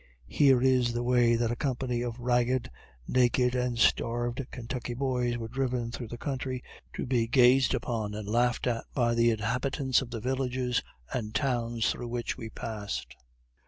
Here is the way that a company of ragged, naked, and starved, Kentucky boys were driven through the country to be gazed upon and laughed at by the inhabitants of the villages and towns through which we passed.